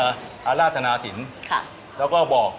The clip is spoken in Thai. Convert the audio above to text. อาราธนาสินค่ะแล้วก็บอก